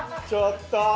ちょっと！